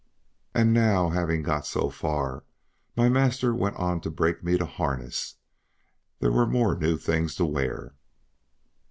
And now having got so far, my master went on to break me to harness; there were more new things to wear.